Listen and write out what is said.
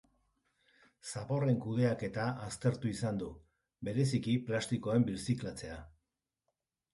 Zaborren kudeaketa aztertu izan du, bereziki plastikoen birziklatzea.